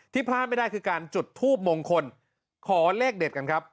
พลาดไม่ได้คือการจุดทูบมงคลขอเลขเด็ดกันครับ